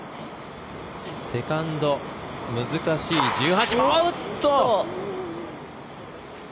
セカンド、難しい１８番おっと！